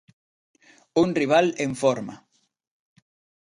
Un rival en forma.